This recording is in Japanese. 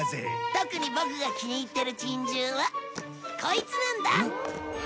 特にボクが気に入ってる珍獣はコイツなんだ。